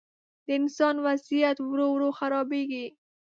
د انسان وضعیت ورو، ورو خرابېږي.